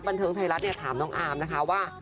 บันเทิงไทยรัฐเนี่ยถามน้องอาร์มนะคะว่า